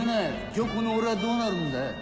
じゃこの俺はどうなるんだ？